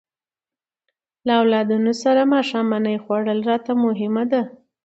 له اولادونو سره ماښامنۍ خوړل راته مهمه ده.